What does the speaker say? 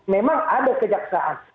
memang ada kejaksaan